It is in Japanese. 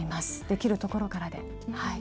できるところからで。